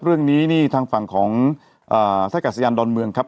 เรื่องนี้นี่ทางฝั่งของท่ากาศยานดอนเมืองครับ